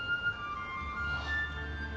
ああ。